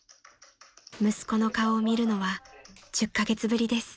［息子の顔を見るのは１０カ月ぶりです］